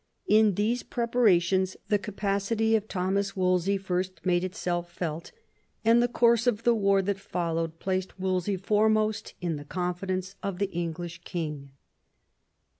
In these pre parations the capacity of Thomas Wolsey first made itself felt, and the course of the war that followed placed Wolsey foremost in the confidence of the English king.